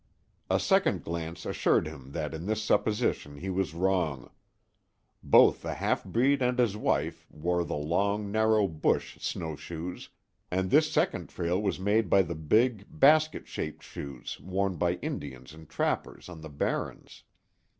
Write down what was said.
A second glance assured him that in this supposition he was wrong. Both the half breed and his wife wore the long, narrow "bush" snow shoes, and this second trail was made by the big, basket shaped shoes worn by Indians and trappers on the Barrens.